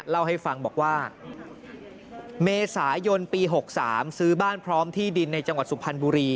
เล่าให้ฟังบอกว่าเมษายนปี๖๓ซื้อบ้านพร้อมที่ดินในจังหวัดสุพรรณบุรี